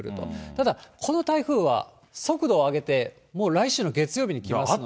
ただ、この台風は速度を上げて、もう来週の月曜日に来ますので。